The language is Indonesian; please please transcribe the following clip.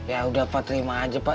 ya udah pak terima aja pak